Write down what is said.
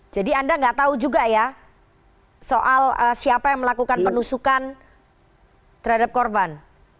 jadi anda tidak tahu juga ya soal siapa yang melakukan penusukan terhadap korban